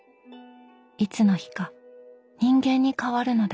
「いつの日か人間に変わるのだ」。